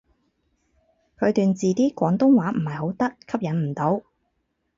佢段字啲廣東話唔係好得，吸引唔到